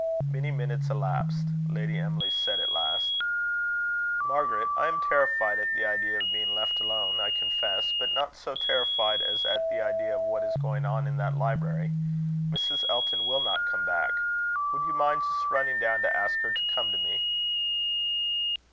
Many minutes elapsed. Lady Emily said at last: "Margaret, I am terrified at the idea of being left alone, I confess; but not so terrified as at the idea of what is going on in that library. Mrs. Elton will not come back. Would you mind just running down to ask her to come to me?"